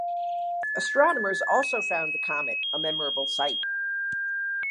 Astronomers also found the comet a memorable sight.